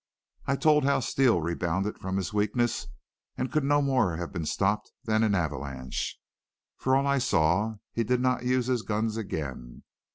I told how Steele rebounded from his weakness and could no more have been stopped than an avalanche. For all I saw, he did not use his guns again.